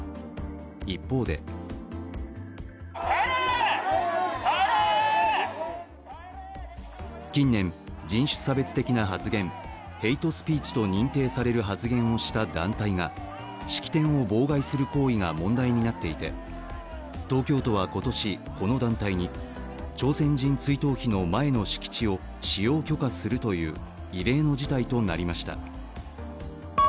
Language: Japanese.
一方で近年、人種差別的な発言＝ヘイトスピーチと認定される発言をした団体が式典を妨害する行為が問題になっていて東京都は今年この団体に、朝鮮人追悼碑の前の敷地を使用許可するという異例の事態となりました。